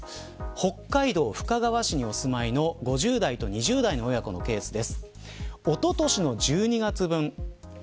北海道深川市にお住まいの５０代と２０代の親子のケースです。